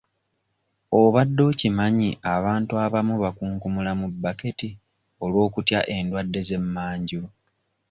Obadde okimanyi abantu abamu bakunkumula mu baketi olw'okutya endwadde z'emmanju?